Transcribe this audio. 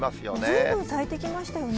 ずいぶん咲いてきましたよね。